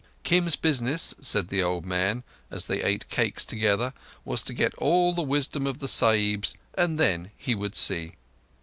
Kim's business, said the old man as they ate cakes together, was to get all the wisdom of the Sahibs and then he would see.